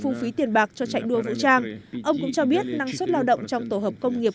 phung phí tiền bạc cho chạy đua vũ trang ông cũng cho biết năng suất lao động trong tổ hợp công nghiệp